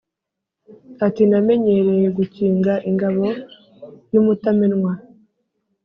Ati: Namenyereye gukinga ingabo y’umutamenwa,